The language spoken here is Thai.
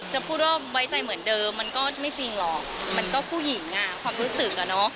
จะพูดว่าไว้ใจเหมือนเดิมมันก็ไม่จริงหรอกมันก็ผู้หญิงอ่ะความรู้สึกอ่ะเนอะ